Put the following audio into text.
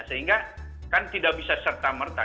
sehingga kan tidak bisa serta merta